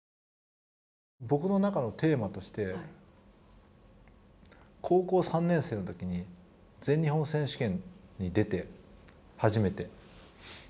僕の中のテーマとして高校３年生のときに全日本選手権に出て、初めて。